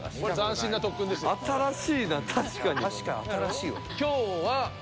新しいな確かに。